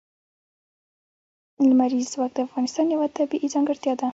لمریز ځواک د افغانستان یوه طبیعي ځانګړتیا ده.